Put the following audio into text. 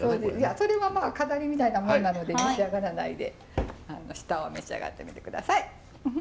それはまあ飾りみたいなものなので召し上がらないで下を召し上がってみて下さい。